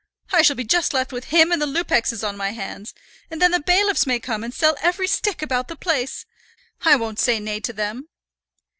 I shall be just left with him and the Lupexes on my hands; and then the bailiffs may come and sell every stick about the place. I won't say nay to them."